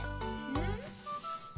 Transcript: うん？